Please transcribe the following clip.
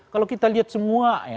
kalau kita lihat semua